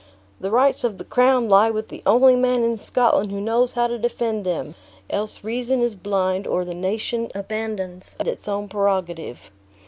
"The rights of the crown lie with the only man in Scotland who knows how to defend them! else reason is blind, or the nation abandons its own prerogative.